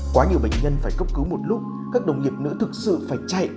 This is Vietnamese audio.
quá nhiều bệnh nhân phải cấp cứu một lúc các đồng nghiệp nữ thực sự phải chạy